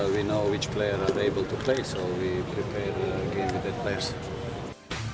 kita tahu siapa yang bisa bermain jadi kita mempersiapkan permainan dengan pemain